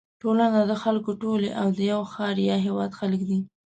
ټولنه د خلکو ټولی او د یوه ښار یا هېواد خلک دي.